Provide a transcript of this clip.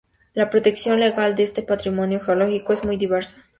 La protección legal de este patrimonio geológico es muy diversa.